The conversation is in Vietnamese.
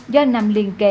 do nằm liên kề